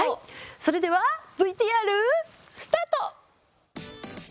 それではＶＴＲスタート！